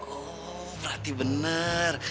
oh berarti benar